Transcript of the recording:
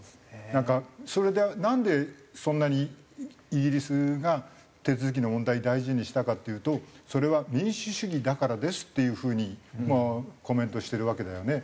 それでなんでそんなにイギリスが手続きの問題を大事にしたかっていうと「それは民主主義だからです」っていう風にコメントしてるわけだよね。